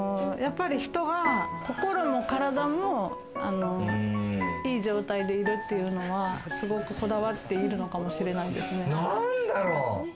人が心も体もいい状態でいるっていうのは、すごく、こだわっているのかもしれないですね。